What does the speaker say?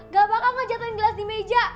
gak bakal ngejatuhin gelas di meja